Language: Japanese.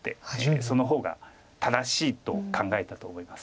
その方が正しいと考えたと思います。